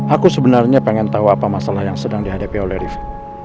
aku sebenarnya pengen tahu apa masalah yang sedang dihadapi oleh rifki